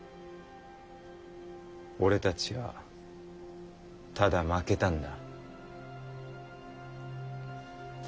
俺たちはただ負けたんだ。